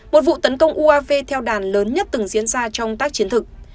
một vụ tấn công uav theo đàn lớn nhất từng diễn ra trong tác chiến thực